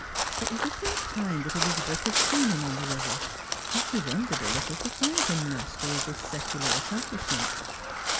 It was the first time that Elizabeth had seen him on the river, and she wondered a little to find him master of this Becular accomplishment.